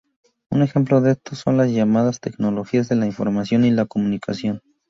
Un ejemplo de esto son las llamadas tecnologías de la información y la comunicación.